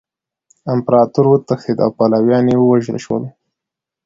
امپراطور وتښتید او پلویان یې ووژل شول.